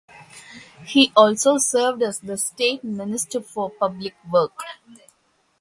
He also served as the State Minister for Public Works.